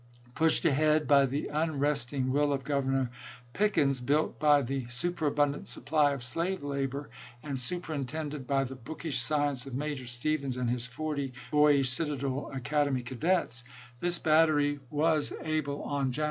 Pushed ahead by the unresting will of Governor Pickens, built by the superabundant supply of slave labor, and superintended by the bookish science of Major Stevens and his forty boyish Citadel Academy cadets, this battery was Pickens, In dorsement, Jan.